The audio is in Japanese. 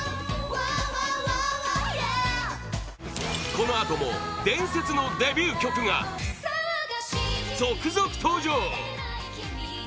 このあとも、伝説のデビュー曲が続々登場！